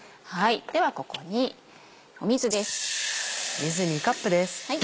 ではここに水です。